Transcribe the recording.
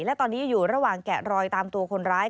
และตอนนี้อยู่ระหว่างแกะรอยตามตัวคนร้าย